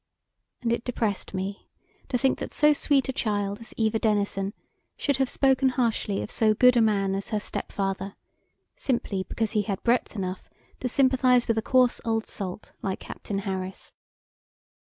And it depressed me to think that so sweet a child as Eva Denison should have spoken harshly of so good a man as her step father, simply because he had breadth enough to sympathize with a coarse old salt like Captain Harris.